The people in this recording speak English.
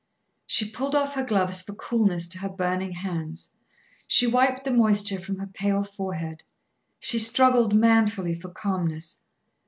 She pulled off her gloves for coolness to her burning hands, she wiped the moisture from her pale forehead, she struggled manfully for calmness.